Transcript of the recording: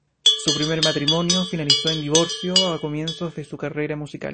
Su primer matrimonio finalizó en divorcio a comienzos de su carrera musical.